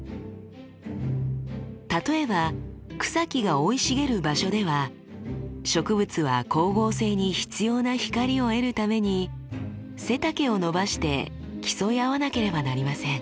例えば草木が生い茂る場所では植物は光合成に必要な光を得るために背丈を伸ばして競い合わなければなりません。